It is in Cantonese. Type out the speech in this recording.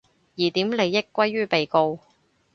疑點利益歸於被告